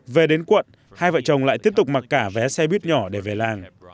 về đến quận hai vợ chồng lại tiếp tục mặc cả vé xe buýt nhỏ để về làng